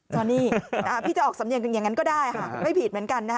ตอนนี้พี่จะออกสำเนียงกันอย่างนั้นก็ได้ค่ะไม่ผิดเหมือนกันนะฮะ